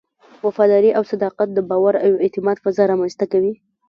وفاداري او صداقت د باور او اعتماد فضا رامنځته کوي.